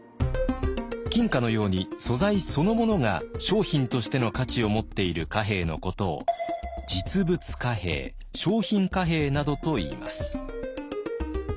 金貨のように素材そのものが商品としての価値をもっている貨幣のことを実物貨幣・商品貨幣などといいます。